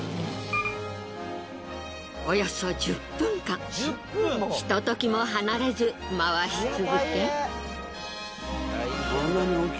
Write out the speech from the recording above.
およそ１０分間ひとときも離れず回し続け。